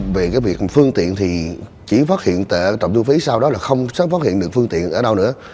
về cái việc phương tiện thì chỉ phát hiện tại trạm thu phí sau đó là không sớm phát hiện được phương tiện ở đâu nữa